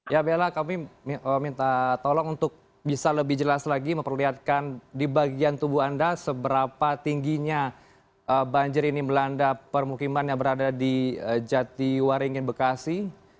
ya bella kami minta tolong untuk bisa lebih jelas lagi memperlihatkan di bagian tubuh anda seberapa tingginya banjir ini melanda permukiman yang berada di jatiwaringin bekasi